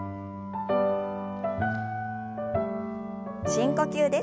深呼吸です。